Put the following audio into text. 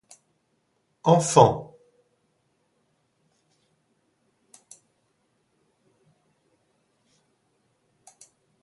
Enfant!